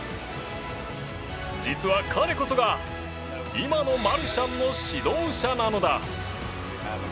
実は彼こそが今のマルシャンの指導者なのだ。